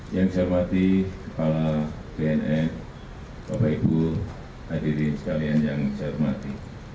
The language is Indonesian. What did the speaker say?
yang saya hormati kepala bnn bapak ibu hadirin sekalian yang saya hormati